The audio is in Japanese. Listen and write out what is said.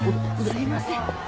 すいません。